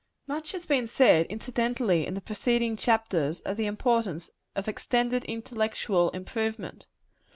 Much has been said, incidentally, in the preceding chapters, of the importance of extended intellectual improvement.